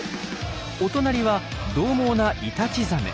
お隣はどう猛なイタチザメ。